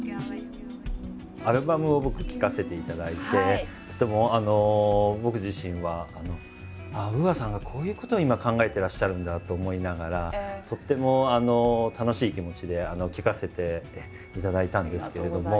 アルバムを僕聴かせていただいてちょっと僕自身はＵＡさんがこういうことを今考えてらっしゃるんだと思いながらとっても楽しい気持ちで聴かせていただいたんですけれども。